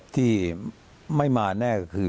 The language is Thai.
ที่ไม่มาแน่ก็คือ